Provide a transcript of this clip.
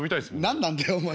何なんだよお前。